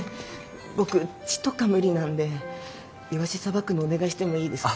僕血とか無理なんでイワシさばくのお願いしてもいいですか？